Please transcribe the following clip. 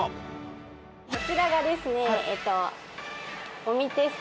こちらがですね